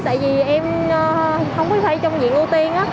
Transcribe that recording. tại vì em không có thay trong viện ưu tiên